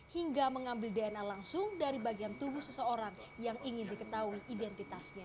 hingga mengambil dna langsung dari bagian tubuh seseorang yang ingin diketahui identitasnya